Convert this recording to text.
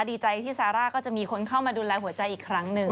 ดีใจที่ซาร่าก็จะมีคนเข้ามาดูแลหัวใจอีกครั้งหนึ่ง